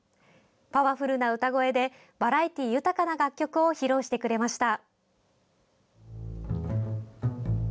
パワフルな歌声でバラエティー豊かな楽曲を披露してくれました。